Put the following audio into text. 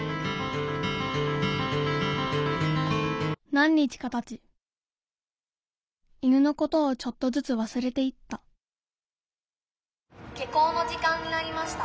何日かたち犬のことをちょっとずつわすれていった「下校の時間になりました。